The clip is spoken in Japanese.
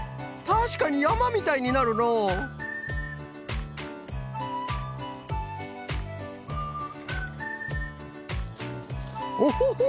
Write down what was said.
たしかにやまみたいになるのうオホホ！